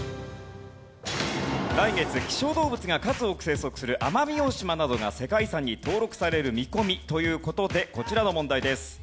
来月希少動物が数多く生息する奄美大島などが世界遺産に登録される見込みという事でこちらの問題です。